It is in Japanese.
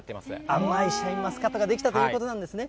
甘いシャインマスカットが出来たということなんですね。